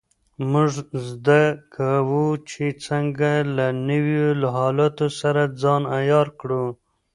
موږ زده کوو چې څنګه له نویو حالاتو سره ځان عیار کړو.